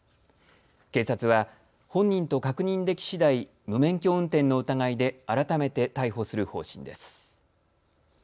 警察は、本人と確認できしだい無免許運転の疑いで改めて逮捕する方針です。